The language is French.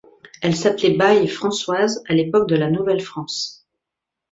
Elle s'appelait Baye françoise à l'époque de la Nouvelle-France.